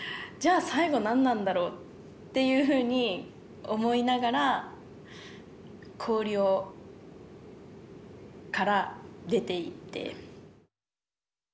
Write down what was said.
じゃあ最後何なんだろうっていうふうに思いながら氷から出ていて。